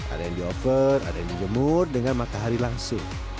ada yang di over ada yang dijemur dengan matahari langsung